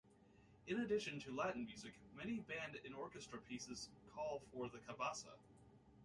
In addition to Latin music, many band and orchestra pieces call for the cabasa.